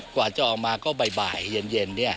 กว่าจะออกมาก็บ่ายเย็น